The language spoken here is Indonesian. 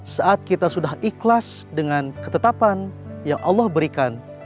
saat kita sudah ikhlas dengan ketetapan yang allah berikan